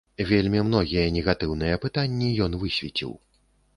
Вельмі многія негатыўныя пытанні ён высвеціў.